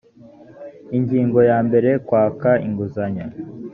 ingingo ya mbere kwaka inguzanyo